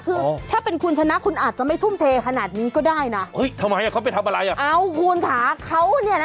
คือถ้าเป็นคุณชนะคุณอาจจะไม่ทุ่มเทขนาดนี้ก็ได้นะ